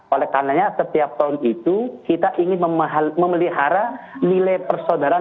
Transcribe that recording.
oleh karenanya setiap tahun itu kita ingin memelihara nilai persaudaraan